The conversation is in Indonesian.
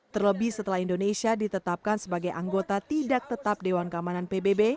terlebih setelah indonesia ditetapkan sebagai anggota tidak tetap dewan keamanan pbb